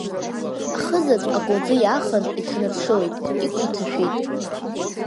Ахызаҵә акәылӡы иаахан, иҭанарҽылеит, икәа иҭашәеит.